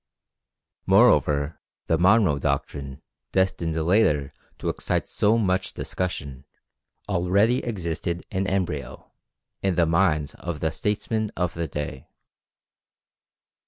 Moreover, the Monroe doctrine, destined later to excite so much discussion, already existed in embryo in the minds of the statesmen of the day.